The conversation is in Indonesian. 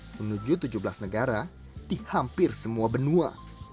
menuju tujuh belas negara di hampir semua benua